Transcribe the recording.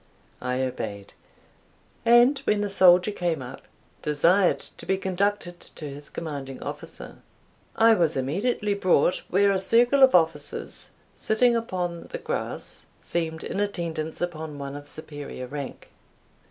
I obeyed, and when the soldier came up, desired to be conducted to his commanding officer. I was immediately brought where a circle of officers, sitting upon the grass, seemed in attendance upon one of superior rank.